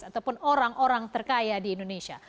ataupun orang orang terkaya di indonesia